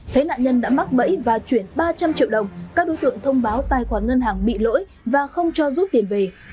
thấy nạn nhân đã mắc bẫy và chuyển ba trăm linh triệu đồng các đối tượng thông báo tài khoản ngân hàng bị lỗi và không cho rút tiền về